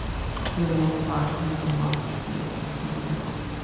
For the most part, Hanlo's work is less experimental.